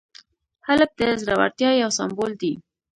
هلک د زړورتیا یو سمبول دی.